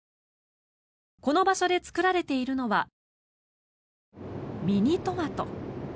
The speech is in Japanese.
この場所で作られているのはミニトマト。